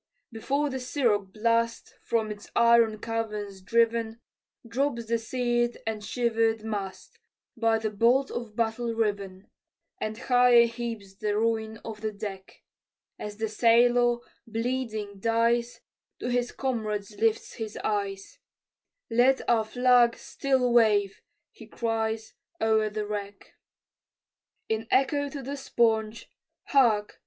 Before the siroc blast From its iron caverns driven, Drops the sear'd and shiver'd mast, By the bolt of battle riven, And higher heaps the ruin of the deck As the sailor, bleeding, dies, To his comrades lifts his eyes, "Let our flag still wave," he cries, O'er the wreck. In echo to the sponge, Hark!